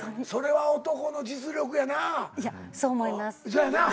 そやな。